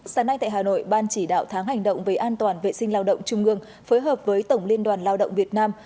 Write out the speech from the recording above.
sáng nay tại hà nội ban chỉ đạo tháng hành động về an toàn vệ sinh lao động trung ương phối hợp với tổng liên đoàn lao động việt nam